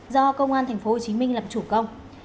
do công an tp hcm làm chủ công